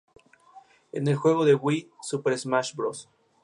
En el juego de Wii "Super Smash Bros.